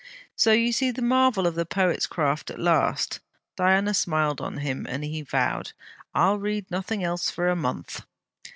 'So you see the marvel of the poet's craft at last?' Diana smiled on him, and he vowed: 'I'll read nothing else for a month!'